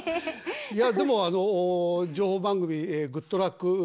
いやでもあの情報番組「グッとラック！」